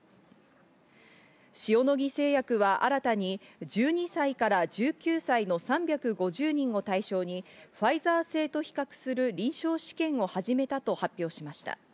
塩野義製薬は新たに１２歳から１９歳の３５０人を対象に、ファイザー製と比較する臨床試験を始めたと発表しました。